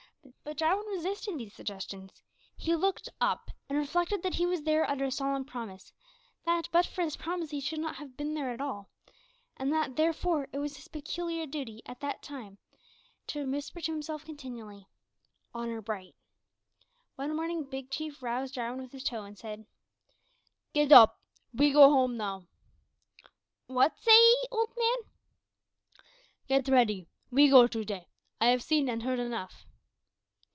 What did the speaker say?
But Jarwin resisted these suggestions. He looked up, and reflected that he was there under a solemn promise; that, but for his promise, he should not have been there at all, and that, therefore, it was his peculiar duty at that particular time to whisper to himself continually "honour bright!" One morning Big Chief roused Jarwin with his toe, and said "Get up. We go home now." "What say 'ee, old man?" "Get ready. We go to day. I have seen and heard enough."